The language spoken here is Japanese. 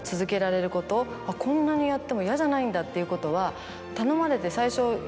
こんなにやっても嫌じゃないんだっていうことは。